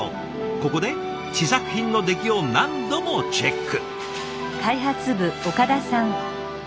ここで試作品の出来を何度もチェック。